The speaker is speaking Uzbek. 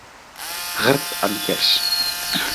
— G‘irt alkash!